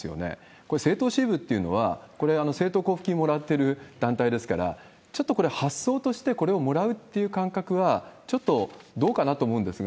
これ、政党支部っていうのは、これ、政党交付金もらってる団体ですから、ちょっとこれ、発想としてこれをもらうっていう感覚はちょっとどうかなと思うん